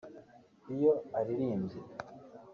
Iyo aririmbye